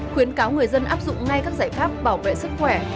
khuyến cáo người dân áp dụng ngay các giải pháp bảo vệ sức khỏe